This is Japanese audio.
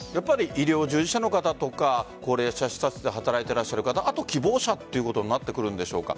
医療従事者の方とか高齢者施設で働いていらっしゃる方希望者ということになってくるんでしょうか。